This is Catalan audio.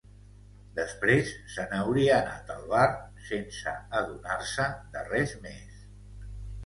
Després se n'hauria anat al bar sense adonar-se de res més.